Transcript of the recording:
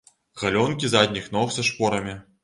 Галёнкі задніх ног са шпорамі.